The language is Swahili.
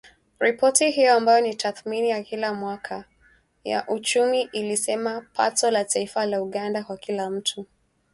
Ripoti hiyo ambayo ni tathmini ya kila mwaka ya uchumi ilisema pato la taifa la Uganda kwa kila mtu